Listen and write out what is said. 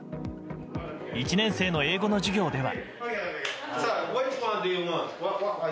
１年生の英語の授業では。